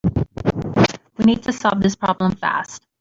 We need to solve this problem fast.